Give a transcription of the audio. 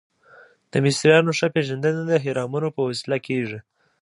د مصریانو ښه پیژندنه د هرمونو په وسیله کیږي.